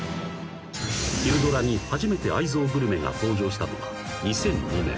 ［昼ドラに初めて愛憎グルメが登場したのは］